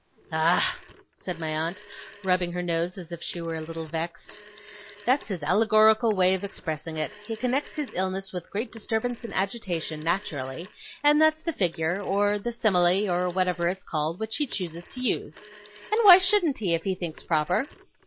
'Ah!' said my aunt, rubbing her nose as if she were a little vexed. 'That's his allegorical way of expressing it. He connects his illness with great disturbance and agitation, naturally, and that's the figure, or the simile, or whatever it's called, which he chooses to use. And why shouldn't he, if he thinks proper!